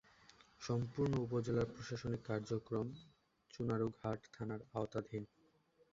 সম্পূর্ণ উপজেলার প্রশাসনিক কার্যক্রম চুনারুঘাট থানার আওতাধীন।